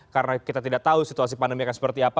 karena kita tidak tahu situasi pandemi seperti apa